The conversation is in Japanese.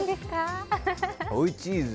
おいチーズ！